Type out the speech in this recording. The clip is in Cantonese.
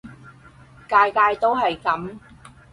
屆屆都係噉